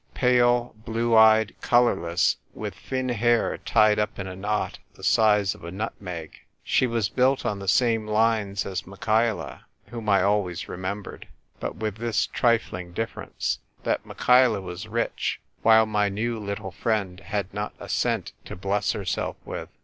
Pale, blue eyed, colourless, with thin hair tied up in a knot the size of a nutmeg, she was built on the same lines as Michaela (whom I always remembered), but with this trifling diff'erence — that Michaela was rich, while my now little friend had not a cent to bless herself with.